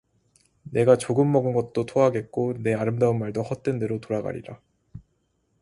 네가 조금 먹은 것도 토하겠고 네 아름다운 말도 헛된 데로 돌아가리라